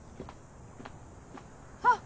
あっ！